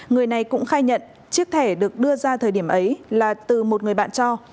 người này cũng khai nhận chiếc thẻ được đưa ra thời điểm ấy là từ một người bạn cho